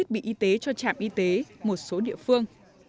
thiết bị y tế cho trạm y tế một số địa phương